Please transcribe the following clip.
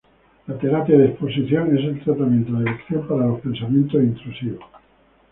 La terapia de exposición es el tratamiento de elección para los pensamientos intrusivos.